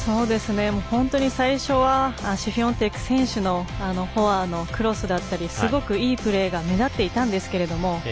本当に最初はシフィオンテク選手のフォアのクロスだったりすごくいいプレーが目立っていたんですけれども。